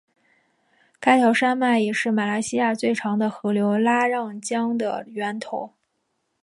该条山脉也是马来西亚最长的河流拉让江的源头。